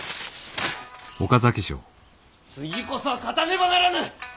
次こそは勝たねばならぬ！